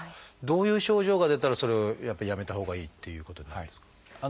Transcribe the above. どういう症状が出たらそれをやっぱりやめたほうがいいっていうことになるんですか？